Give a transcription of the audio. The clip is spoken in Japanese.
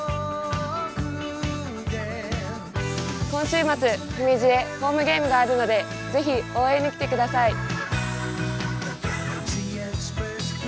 今週末、姫路でホームゲームがあるので、ぜひ応援に来てください。